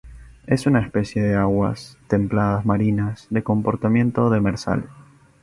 Es una especie de aguas templadas marinas, de comportamiento demersal.